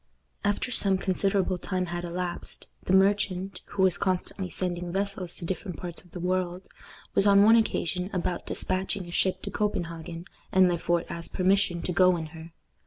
After some considerable time had elapsed, the merchant, who was constantly sending vessels to different parts of the world, was on one occasion about dispatching a ship to Copenhagen, and Le Fort asked permission to go in her.